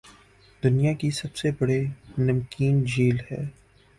دنیاکی سب سے بڑی نمکین جھیل ہے